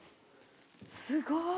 すごーい。